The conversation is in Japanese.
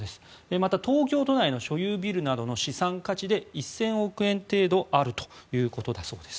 また東京都内の所有ビルなどの資産価値で１０００億円程度あるということだそうです。